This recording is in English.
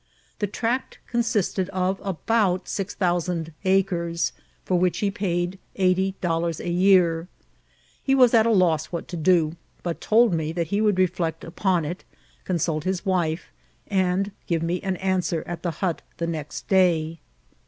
The tract con sisted of stbout six thousand acres, for which he paid BDTINO A CITY. 127 eighty dollars a year ; he was at a loss what to do, but told me that he would reflect upon it, consult his wife, and give me an answer at the hut the next day.